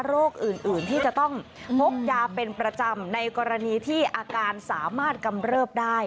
โรคอื่นที่จะต้องพกยาเป็นประจำในกรณีที่อาการสามารถกำเริบได้